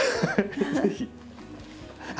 ぜひ。